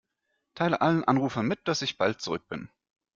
Teile allen Anrufern mit, dass ich bald zurück bin.